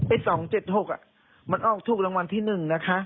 เอ้ยสองเจ็ดหกอ่ะมันออกถูกรางวัลที่หนึ่งนะคะ